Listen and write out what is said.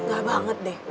gak banget deh